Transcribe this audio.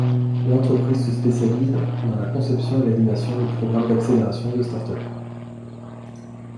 L'entreprise se spécialise dans la conception et l'animation de programmes d'accélération de startups.